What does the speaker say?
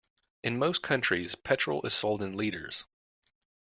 In most countries, petrol is sold in litres